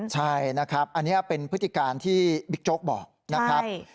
ใช่นะครับอันนี้เป็นพฤติการที่บิ๊กโจ๊กบอกนะครับ